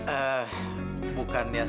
eh bukannya saya